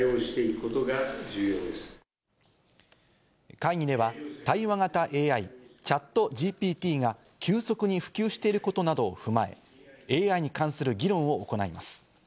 会議では対話型ＡＩ＝ＣｈａｔＧＰＴが急速に普及していることを踏まえ、ＡＩに関する議論を行います。